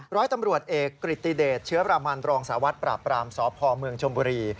ร้อยตำรวจเอกกริตติเดตเชื้อประมาณรองสาวัดปราบรามสพเมืองชนบุรี